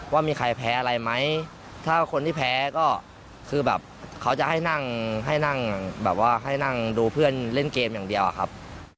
ว่ามีใครแพ้อะไรไหมถ้าคนที่แพ้ก็คือแบบเขาจะให้นั่งดูเพื่อนเล่นเกมอย่างเดียวครับ